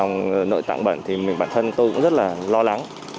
nội tạng bẩn thì mình bản thân tôi cũng rất là lo lắng